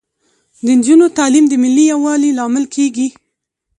د نجونو تعلیم د ملي یووالي لامل کیږي.